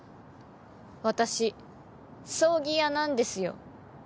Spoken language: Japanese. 私葬儀屋なんですよ。